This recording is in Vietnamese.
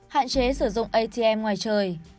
hạn chế sử dụng atm ngoài trời